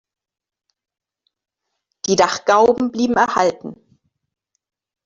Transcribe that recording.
Die Dachgauben blieben erhalten.